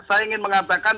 saya ingin mengatakan